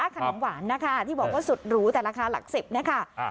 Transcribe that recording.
ขนมหวานนะคะที่บอกว่าสุดหรูแต่ราคาหลัก๑๐นะคะ